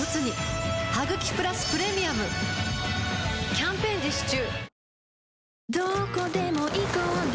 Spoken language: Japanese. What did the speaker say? キャンペーン実施中